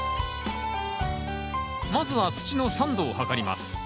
まずは土の酸度を測ります。